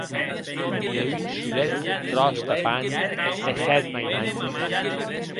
Ne un solet tròç de pan e sèt mainatges!